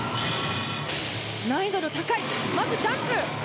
難易度の高いジャンプ。